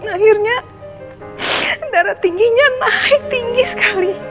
akhirnya darah tingginya naik tinggi sekali